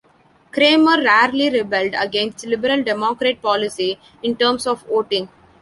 Kramer rarely rebelled against Liberal Democrat policy in terms of voting.